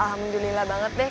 alhamdulillah banget deh